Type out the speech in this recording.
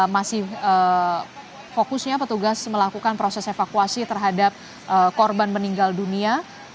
masih fokusnya petugas melakukan proses evakuasi terhadap korban meninggal dunia